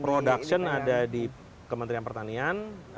production ada di kementerian pertanian